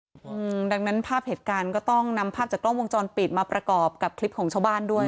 อืมดังนั้นภาพเหตุการณ์ก็ต้องนำภาพจากกล้องวงจรปิดมาประกอบกับคลิปของชาวบ้านด้วย